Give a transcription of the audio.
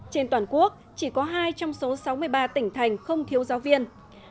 trên toàn quốc chỉ có hai trong số sáu mươi ba tỉnh thành không thiếu giáo viên